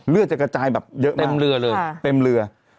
เลือดจะกระจายเยอะมากเต็มเรือ